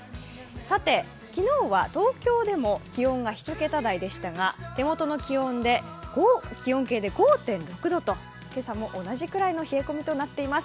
さて、昨日は東京でも気温が１桁台でしたが、手元の気温計で５．６度と今朝も同じくらいの冷え込みとなっています。